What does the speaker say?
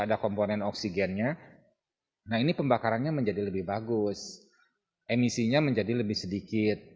ada komponen oksigennya nah ini pembakarannya menjadi lebih bagus emisinya menjadi lebih sedikit